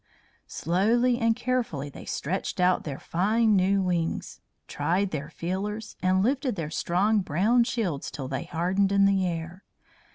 Slowly and carefully they stretched out their fine new wings, tried their feelers, and lifted their strong brown shields till they hardened in the air.